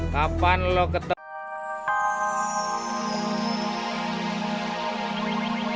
kapan lo ketemu